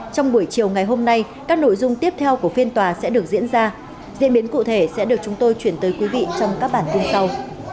trong buổi chiều ngày hôm nay các nội dung tiếp theo của phiên tòa sẽ được diễn ra diễn biến cụ thể sẽ được chúng tôi chuyển tới quý vị trong các bản tin sau